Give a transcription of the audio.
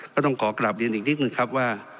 ก็ต้องขอกลับเรียนอีกนิดนึงครับว่า